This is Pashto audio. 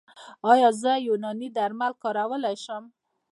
ایا زه یوناني درمل کارولی شم؟